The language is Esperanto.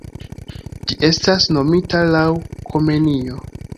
Ĝi estas nomita laŭ Komenio.